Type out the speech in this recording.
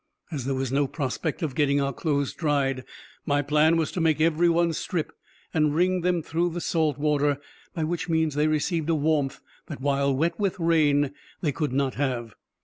As there was no prospect of getting our clothes dried, my plan was to make every one strip, and wring them through the salt water, by which means they received a warmth that, while wet with rain, they could not have.